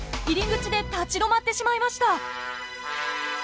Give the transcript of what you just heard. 入り口で立ち止まってしまいました。